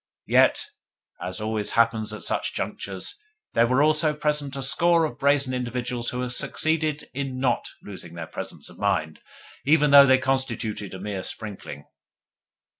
Yet, as always happens at such junctures, there were also present a score of brazen individuals who had succeeded in NOT losing their presence of mind, even though they constituted a mere sprinkling.